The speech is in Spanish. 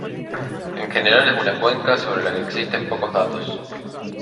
En general es una cuenca sobre la que existen pocos datos.